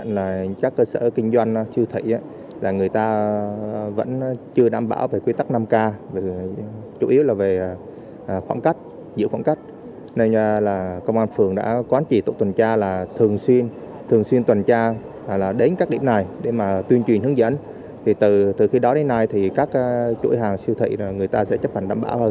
người ta sẽ chấp hành đảm bảo hơn